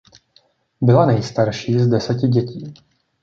Byla nejstarší z deseti dětí.